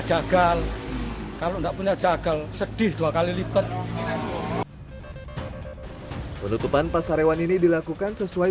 jagal kalau enggak punya jagal sedih dua kali lipat penutupan pasar hewan ini dilakukan sesuai